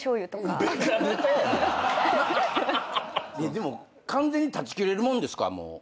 でも完全に断ち切れるもんですかもう卓球とは。